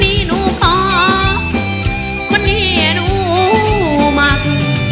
คนดีหนูบ่คนเดี๋ยวหนูมัก